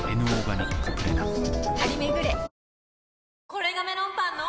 これがメロンパンの！